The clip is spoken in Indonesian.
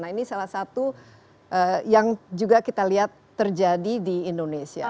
nah ini salah satu yang juga kita lihat terjadi di indonesia